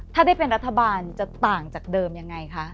ถ้าได้เป็นรัฐบาลจะต่างจากเดิมยังไงคะ